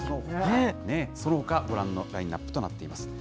そのほか、ご覧のラインナップとなっています。